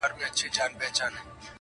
اچولی یې پر سر شال د حیا دی.